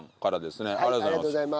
ありがとうございます。